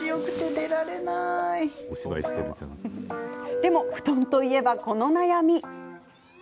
でも布団といえば、この悩み。